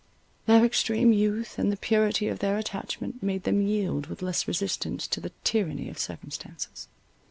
Their extreme youth, and the purity of their attachment, made them yield with less resistance to the tyranny of circumstances.